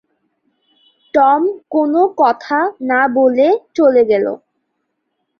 Tom কোনো কথা না বলে চলে গেল।